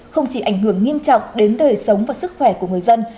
không chỉ ảnh hưởng nghiêm trọng đến đời sống và sức khỏe của người dân